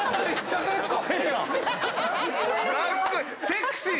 セクシー！